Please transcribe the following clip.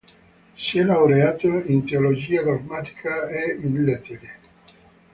Si è laureato in Teologia dogmatica e in Lettere.